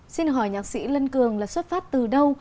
xin hỏi nhạc sĩ lân cường là xuất phát từ đâu